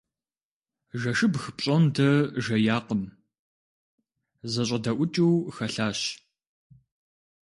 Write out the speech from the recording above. Жэщыбг пщӏондэ жеякъым - зэщӏэдэӏукӏыу хэлъащ.